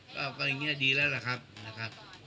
ก็อย่างนี้ดีแล้วแหละครับ